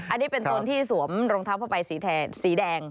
อันนี้เป็นตนที่สวมรองเท้าผ้าใบสีแดง